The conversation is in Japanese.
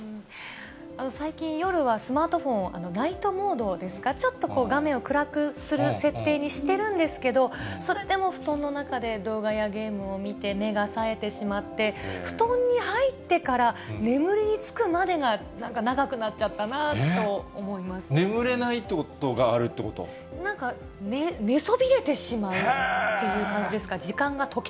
最近、夜はスマートフォンをナイトモードですか、ちょっとこう、画面を暗くする設定にしてるんですけど、それでも布団の中で動画やゲームを見て、目がさえてしまって、布団に入ってから眠りにつくまでがなんか長くなっちゃったなと思眠れないということがあるとなんか、寝そびれてしまうっていう感じですか。